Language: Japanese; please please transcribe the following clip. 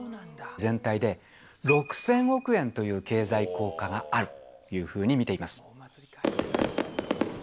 全体で６０００億円という経済効果があるというふうに見ています。